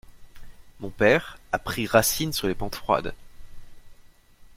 Mon père a pris racine sur les pentes froides.